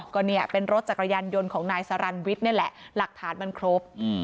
ก็เนี่ยเป็นรถจักรยานยนต์ของนายสรรวิทย์นี่แหละหลักฐานมันครบ